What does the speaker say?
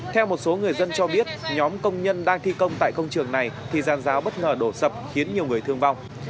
theo một số người dân cho biết nhóm công nhân đang thi công tại công trường này thì giàn giáo bất ngờ đổ sập khiến nhiều người thương vong